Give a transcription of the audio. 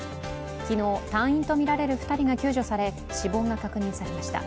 昨日、隊員とみられる２人が救助され、死亡が確認されました。